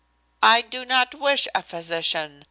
"I do not wish a physician.